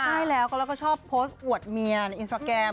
ใช่แล้วก็ชอบโพสต์อวดเมียในอินสตราแกรม